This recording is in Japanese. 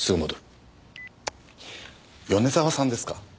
米沢さんですか？